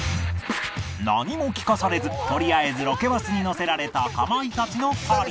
何も聞かされずとりあえずロケバスに乗せられたかまいたちの２人